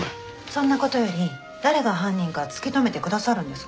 そんな事より誰が犯人か突き止めてくださるんですか？